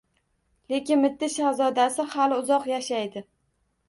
Lekin Mitti Shahzodasi hali uzoq yashaydi